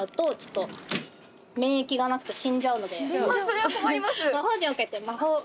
それは困ります。